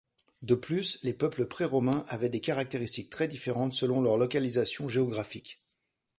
De plus, les peuples préromains avaient des caractéristiques très différentes selon leur localisation géographique.